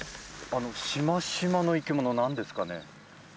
あのシマシマの生き物は何ですかね？